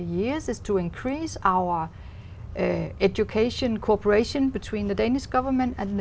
bây giờ tôi sẽ xem nếu tôi có thể phát ngôn ngữ đúng